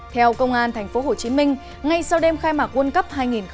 theo công an tp hcm ngay sau đêm khai mạc world cup hai nghìn một mươi tám